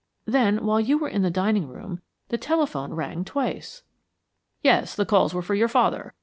Then, while you were in the dining room, the telephone rang twice." "Yes; the calls were for your father.